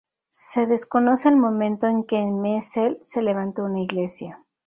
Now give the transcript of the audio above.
Se desconoce el momento en que en Messel se levantó una iglesia.